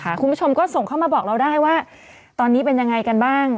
ทางกรมก็ส่งเข้ามาบอกเราว่าตอนนี้เป็นว่ายังไงกันบ้าง